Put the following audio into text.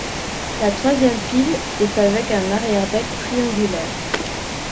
La troisième pile est avec un arrière-bec triangulaire.